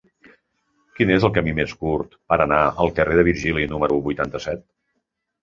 Quin és el camí més curt per anar al carrer de Virgili número vuitanta-set?